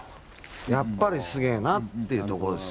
やっぱりすげえなっていうところですよ。